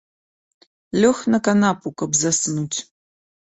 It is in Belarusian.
Лёг на канапу, каб заснуць.